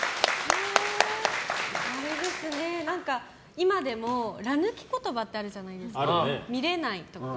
今でも、ら抜き言葉ってあるじゃないですか見れないとか。